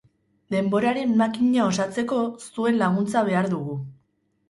Denboraren makina osatzeko zuen laguntza behar dugo.